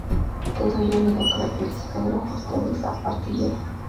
Todo ello le da la característica de fortaleza artillera.